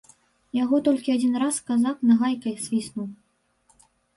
Яго толькі адзін раз казак нагайкай свіснуў.